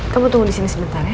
kamu tunggu di sini sebentar ya